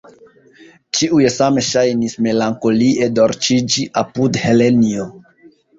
Ĉiuj same ŝajnis melankolie dolĉiĝi apud Helenjo.